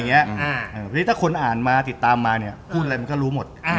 เพราะฉะนั้นถ้าคนอ่านมาติดตามมาเนี่ยพูดอะไรมันก็รู้หมด